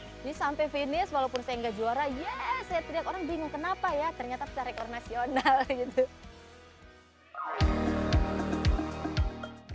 jadi sampai finish walaupun saya gak juara ya saya terlihat orang bingung kenapa ya ternyata saya rekor nasional gitu